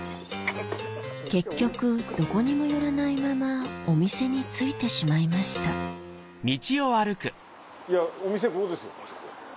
結局どこにも寄らないままお店に着いてしまいましたお店ここですよ。